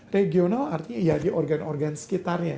regional artinya ya di organ organ sekitarnya